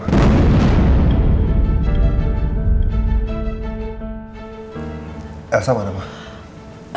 aku kan berusaha untuk cari cara lain ma